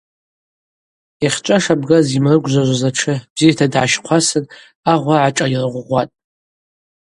Йахьчӏва шабгаз йымрыгвжважваз атшы бзита дгӏащхъвасын агъвра гӏашӏайыргъвгъватӏ.